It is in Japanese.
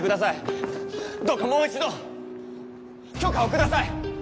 どうかもう一度許可を下さい！